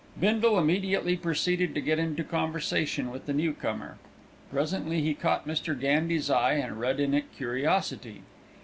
Bindle immediately proceeded to get into conversation with the newcomer. Presently he caught Mr. Gandy's eye and read in it curiosity.